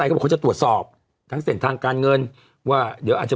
ขอบคุณนะครับขอบคุณนะครับขอบคุณนะครับ